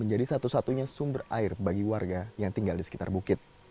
menjadi satu satunya sumber air bagi warga yang tinggal di sekitar bukit